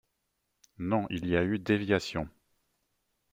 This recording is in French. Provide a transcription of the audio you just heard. Non! il y a eu déviation.